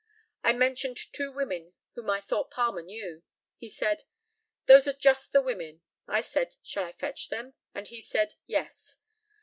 I mentioned two women whom I thought Palmer knew. He said, "Those are just the women." I said, "Shall I fetch them?" and he said, "Yes."